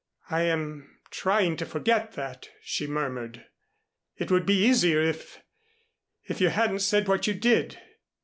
"I am trying to forget that," she murmured. "It would be easier if if you hadn't said what you did."